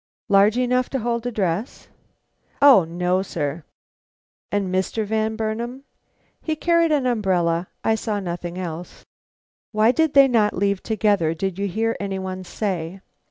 "Large enough to hold a dress?" "O no, sir." "And Mr. Van Burnam?" "He carried an umbrella; I saw nothing else." "Why did they not leave together? Did you hear any one say?"